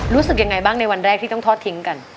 รู้สึกยังไงบ้างในวันแรกที่ต้องทอดทิ้งกัน